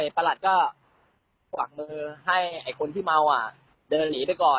ประหลัดก็กวักมือให้ไอ้คนที่เมาเดินหนีไปก่อน